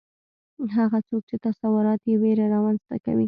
هغه څوک چې تصورات یې ویره رامنځته کوي